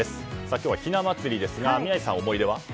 今日は、ひな祭りですが宮司さん、思い出は？